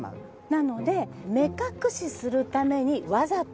なので目隠しするためにわざと置いたと。